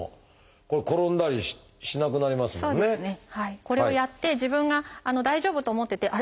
これをやって自分が大丈夫と思っててあれ？